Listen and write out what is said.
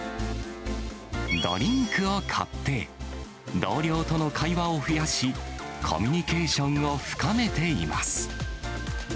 ドリンクを買って、同僚との会話を増やし、コミュニケーションを深めています。